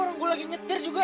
orang gue lagi nyetir juga